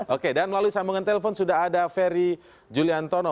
oke dan melalui sambungan telepon sudah ada ferry juliantono